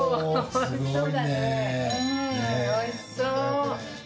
おいしそう。